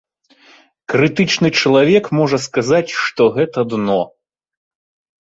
Крытычны чалавек можа сказаць, што гэта дно.